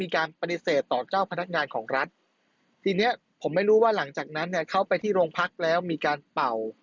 ครับของรัฐที่เนี่ยผมไม่รู้ว่าหลังจากนั้นน่ะเขาไปที่โรงพักแล้วมีการเป่า